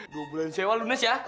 dua bulan sewa lu nes ya